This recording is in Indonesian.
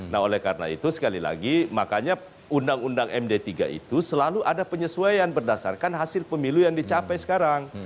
nah oleh karena itu sekali lagi makanya undang undang md tiga itu selalu ada penyesuaian berdasarkan hasil pemilu yang dicapai sekarang